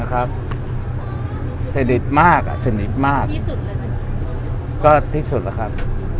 นะครับเสด็จมากอ่ะสนิทมากที่สุดแล้วค่ะก็ที่สุดล่ะครับ